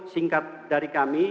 singkat dari kami